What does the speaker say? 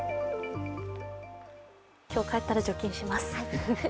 今日帰ったら除菌します。